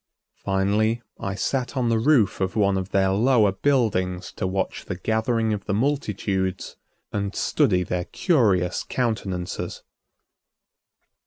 Finally, I sat on the roof of one of their lower buildings to watch the gathering of the multitudes and study their curious countenances.